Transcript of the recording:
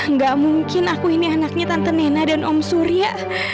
nggak mungkin aku ini anaknya tante nena dan om surya